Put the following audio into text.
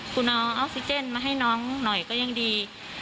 คุณเอาออกซิเจนมาให้น้องหน่อยก็ยังดี